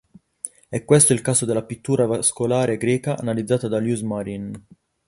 È questo il caso della pittura vascolare greca analizzata da Louis Marin.